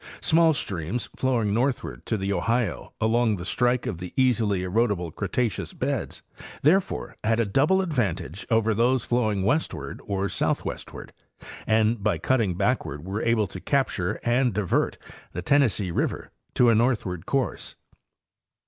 Small streams flowing north ward to the Ohio along the strike of the easily erodible Creta ceous beds therefore had a double advantage over those flowing westward or southwestward, and by cutting backward were able to capture and divert the Tennessee river to a northward course.